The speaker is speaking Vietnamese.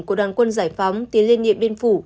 của đoàn quân giải phóng tiến lên điện biên phủ